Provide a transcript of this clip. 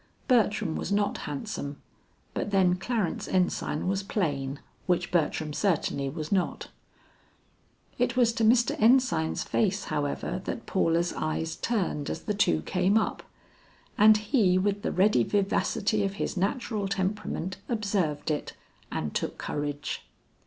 Bertram was not handsome, but then Clarence Ensign was plain, which Bertram certainly was not. It was to Mr. Ensign's face however that Paula's eyes turned as the two came up, and he with the ready vivacity of his natural temperament observed it, and took courage.